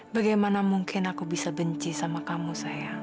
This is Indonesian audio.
bagaimana mungkin aku bisa benci sama kamu sayang